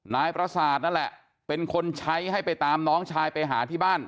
นายประสาทนั่นแหละเป็นคนใช้ให้ไปตามน้องชายไปหาที่บ้าน